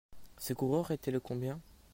Ce coureur était le combien ?